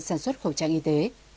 sản xuất khẩu trang y tế